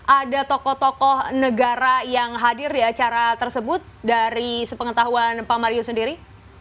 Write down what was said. ada tokoh tokoh negara yang hadir di acara tersebut dari sepengetahuan pak mario sendiri